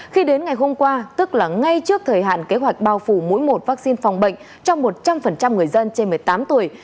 khi đến ngày hôm qua tức là ngay trước thời hạn kế hoạch bao phủ mỗi một vaccine phòng bệnh cho một trăm linh người dân trên một mươi tám tuổi